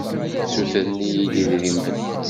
Ssutren-iyi-d idrimen.